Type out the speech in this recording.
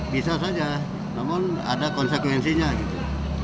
bisa saja namun ada konsekuensinya gitu